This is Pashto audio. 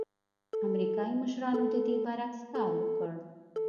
امریکايي مشرانو د دې برعکس کار وکړ.